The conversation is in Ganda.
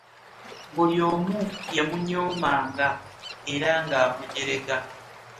Buli omu yamunyomanga era nga amugyerega.